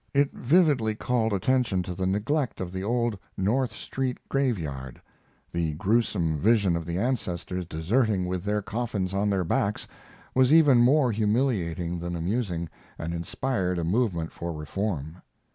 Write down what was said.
It vividly called attention to the neglect of the old North Street graveyard. The gruesome vision of the ancestors deserting with their coffins on their backs was even more humiliating than amusing, and inspired a movement for reform.